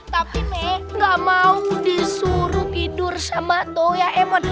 tapi mek gak mau disuruh tidur sama toya emon